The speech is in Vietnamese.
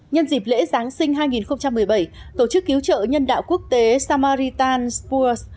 nhân dịp lễ giáng sinh hai nghìn một mươi bảy tổ chức cứu trợ nhân đạo quốc tế samaritan put